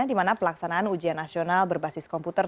di mana pelaksanaan ujian nasional berbasis komputer